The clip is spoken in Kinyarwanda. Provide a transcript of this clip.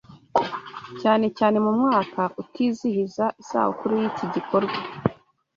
cyane cyane mumwaka utizihiza isabukuru yiki gikorwa